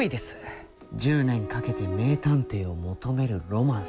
１０年かけて名探偵を求めるロマンス。